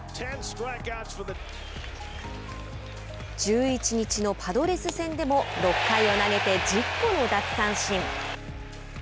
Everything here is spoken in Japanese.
１１日のパドレス戦でも６回を投げて１０個の奪三振。